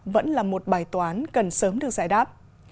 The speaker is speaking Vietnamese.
vẫn là một bài toán cần sớm được giải đáp